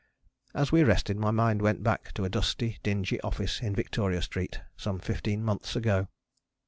As we rested my mind went back to a dusty, dingy office in Victoria Street some fifteen months ago.